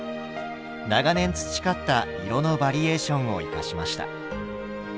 長年培った色のバリエーションを生かしました。